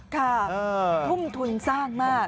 ค่ะทุ่มทุนสร้างมาก